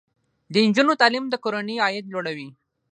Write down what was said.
د نجونو تعلیم د کورنۍ عاید لوړوي.